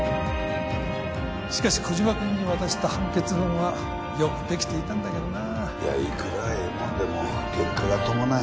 しかし小島君に渡した判決文はよくできていたんだけどなあいやいくらええもんでも結果が伴わ